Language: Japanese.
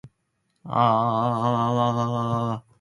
動画を撮ることは楽しい。